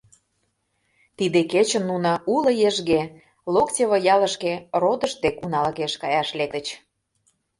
Тиде кечын нуно уло ешге Локтево ялышке родышт дек уналыкеш каяш лектыч.